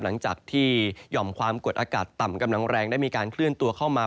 หลังจากที่หย่อมความกดอากาศต่ำกำลังแรงได้มีการเคลื่อนตัวเข้ามา